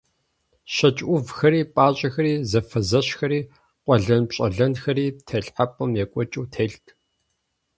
ЩэкӀ Ӏувхэри, пӀащӀэхэри, зэфэзэщхэри, къуэлэнпщӀэлэнхэри телхьэпӀэм екӀуэкӀыу телът.